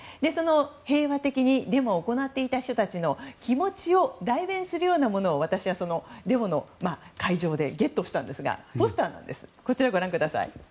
平和的にデモを行っていた人たちの気持ちを代弁するようなものをデモの会場でゲットしたんですがポスターなんです。